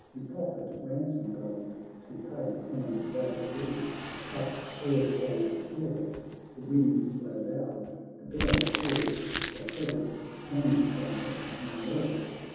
He proffered ransom gold to pay, And they agreed — but, ere told o'er, The winds blow loud, the billows roar ; They severed, and they met no more.